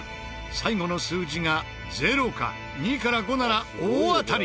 最後の数字が０か２から５なら大当たり。